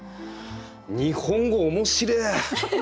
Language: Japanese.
日本語面白え！